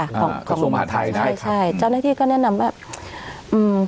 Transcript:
อ่าศูนย์ดำรงธรรมใช่ใช่เจ้าหน้าที่ก็แนะนำว่าอืม